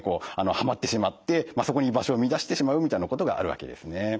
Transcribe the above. はまってしまってそこに居場所を見いだしてしまうみたいなことがあるわけですね。